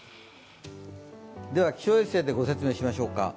では気象衛星でご説明しましょうか。